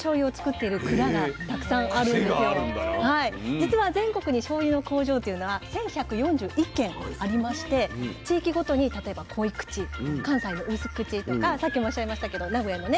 実は全国にしょうゆの工場っていうのは１，１４１軒ありまして地域ごとに例えば濃い口関西の薄口とかさっきもおっしゃいましたけど名古屋のね